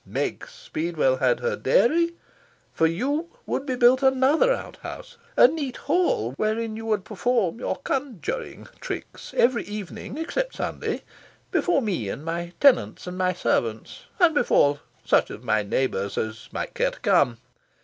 Meg Speedwell had her dairy. For you, would be built another outhouse a neat hall wherein you would perform your conjuring tricks, every evening except Sunday, before me and my tenants and my servants, and before such of my neighbours as might care to come.